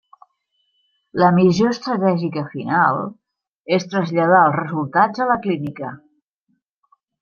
La missió estratègica final és traslladar els resultats a la clínica.